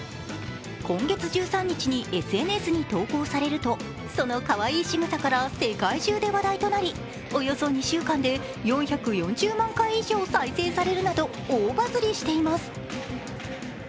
今月１３日にＳＮＳに投稿されるとそのかわいいしぐさから世界中で話題となりおよそ２週間で４４０万回以上再生されるなど大バズりしています。